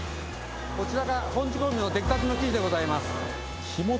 こちらが本仕込のできたての生地でございます